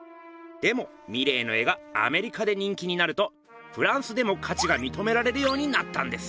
でもミレーの絵がアメリカで人気になるとフランスでもかちがみとめられるようになったんです。